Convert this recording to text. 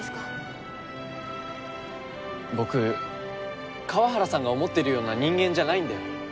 僕河原さんが思ってるような人間じゃないんだよ。